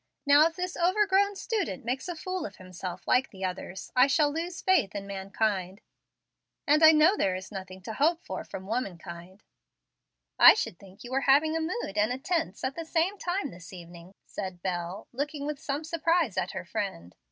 Now if this overgrown student makes a fool of himself, like the others, I shall lose faith in mankind, and I know there is nothing to hope from woman kind." "I should think you were having a mood and a tense at the same time this evening," said Bel, looking with some surprise at her friend.